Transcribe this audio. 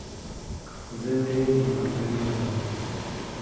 زه ډېر ملاتړي لرم.